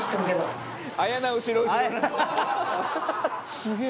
「すげえ！」